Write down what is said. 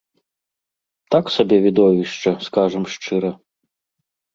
Так сабе відовішча, скажам шчыра.